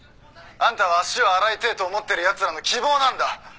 「あんたは足を洗いてえと思ってる奴らの希望なんだ」